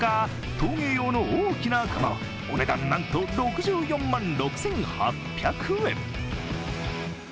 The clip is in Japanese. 陶芸用の大きな窯お値段なんと６４万６８００円。